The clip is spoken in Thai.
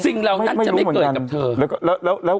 จริงเรานั้นจะไม่เกิดกับเธอ